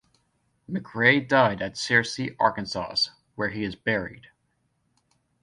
McRae died at Searcy, Arkansas, where he is buried.